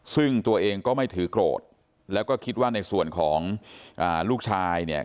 ซึ่งตัวเองก็ไม่ถือโกรธแล้วก็คิดว่าในส่วนของลูกชายเนี่ย